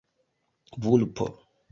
vulpo